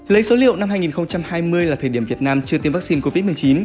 lấy số liệu năm hai nghìn hai mươi là thời điểm việt nam chưa tiêm vaccine covid một mươi chín